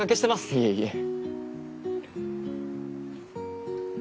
いえいえ。